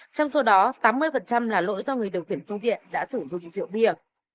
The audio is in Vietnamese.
trong số đó tám mươi là lỗi do người điều khiển phương tiện đã sử dụng rượu bia